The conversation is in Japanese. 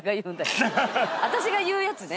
私が言うやつね。